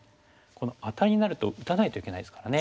アタリになると打たないといけないですからね。